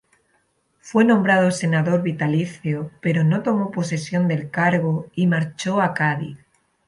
Fue nombrado senador vitalicio, pero no tomó posesión del cargo y marchó a Cádiz.